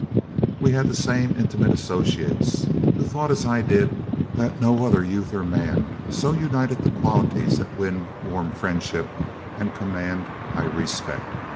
"We had the same intimate associates, who thought, as I did, that no other youth or man so united the qualities that win warm friendship and command high respect.